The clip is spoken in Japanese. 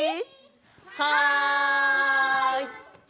はい！